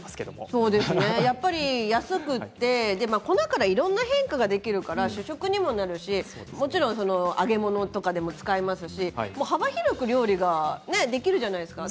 そうですね。安くて粉からいろんな変化ができるから主食にもなるしもちろん揚げ物とかでも使いますし幅広く料理ができるじゃないですか。